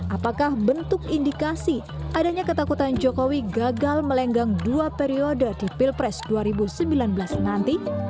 apakah bentuk indikasi adanya ketakutan jokowi gagal melenggang dua periode di pilpres dua ribu sembilan belas nanti